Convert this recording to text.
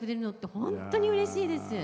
本当にうれしいです。